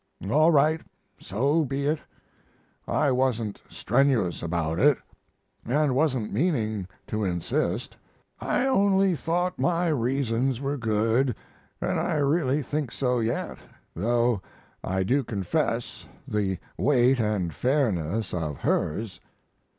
All right so be it. I wasn't strenuous about it, and wasn't meaning to insist; I only thought my reasons were good, and I really think so yet, though I do confess the weight and fairness of hers.